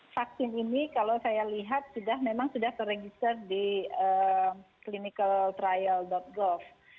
vaksin ini kalau saya lihat memang sudah terregister di clinical trial gov